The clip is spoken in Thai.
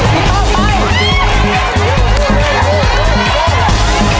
พี่เป้าไป